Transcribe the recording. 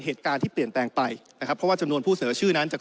เหตุการณ์ที่เปลี่ยนแปลงไปนะครับเพราะว่าจำนวนผู้เสนอชื่อนั้นจาก